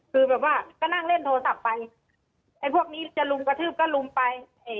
คือแบบว่าก็นั่งเล่นโทรศัพท์ไปไอ้พวกนี้จะลุมกระทืบก็ลุมไป